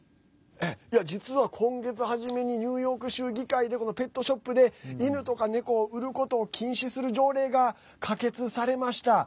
実は、今月初めにニューヨーク州議会でペットショップで犬とか猫を売ることを禁止する条例が可決されました。